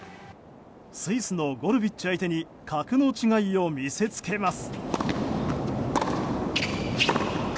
スイスのゴルビッチ相手に格の違いを見せつけます。